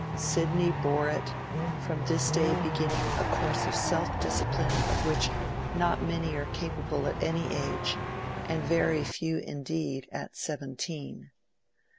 Sidney bore it, from this day beginning a course of self discipline of which not many are capable at any age, and very few indeed at seventeen.